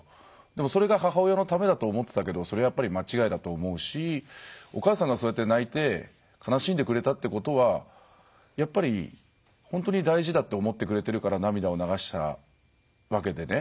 でもそれが母親のためだと思ってたけどそれはやっぱり間違いだと思うしお母さんがそうやって泣いて悲しんでくれたってことはやっぱり本当に大事だって思ってくれてるから涙を流したわけでね。